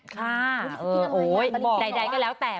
ค่ะโอ๊ยใดก็แล้วแต่